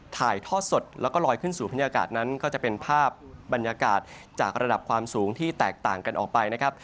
ถ่ายทอดสดแล้วก็ลอยขึ้นสู่บรรยากาศนั้นก็จะเป็นภาพบรรยากาศจากระดับความสูงที่แตกต่างกันออกไปนะครับ